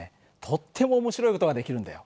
とっても面白い事ができるんだよ。